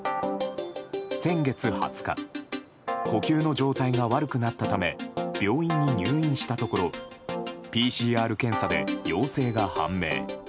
先月２０日呼吸の状態が悪くなったため病院に入院したところＰＣＲ検査で陽性が判明。